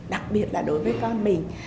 đặc biệt là đối với con mình